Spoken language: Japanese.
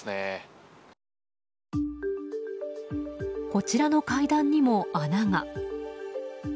こちらの階段にも穴が。